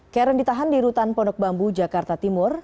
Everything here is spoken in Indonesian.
karen ditahan di rutan pondok bambu jakarta timur